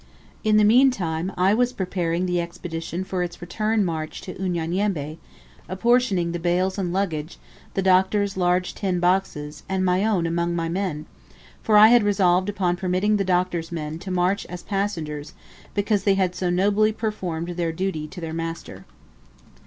In the meantime I was preparing the Expedition for its return march to Unyanyembe, apportioning the bales and luggage, the Doctor's large tin boxes, and my own among my own men; for I had resolved upon permitting the Doctor's men to march as passengers, because they had so nobly performed their duty to their master.